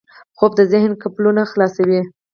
خوب د ذهن قفلونه خلاصوي